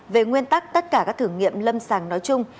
về nguyên tắc tất cả các thử nghiệm lâm sàng nói chung